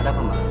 ada apa mbak